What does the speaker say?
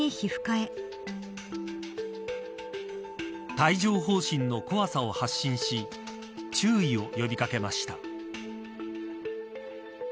帯状疱疹の怖さを発信し注意を呼び掛けました。